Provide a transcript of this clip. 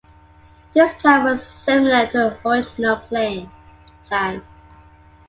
This plan was similar to the original plan.